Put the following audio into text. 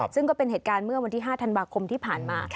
ซึ่งก็เป็นเหตุการณ์เมื่อวันที่๕ธันวาคมที่ผ่านมา